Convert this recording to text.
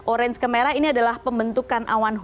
orange ke merah ini adalah pembentukan awan